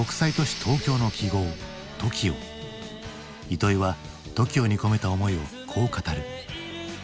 糸井は「ＴＯＫＩＯ」に込めた思いをこう語る。